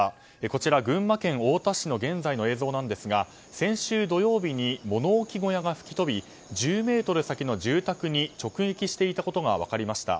こちら、群馬県太田市の現在の映像なんですが先週土曜日に物置小屋が吹き飛び１０ｍ先の住宅に直撃していたことが分かりました。